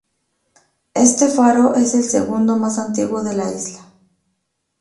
Este faro es el segundo más antiguo de la isla.